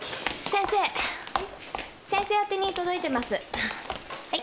先生宛に届いてますはい。